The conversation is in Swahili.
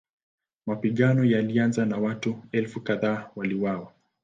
Mapigano yalianza na watu elfu kadhaa waliuawa.